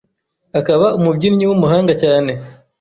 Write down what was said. akaba umubyinnyi w’umuhanga cyane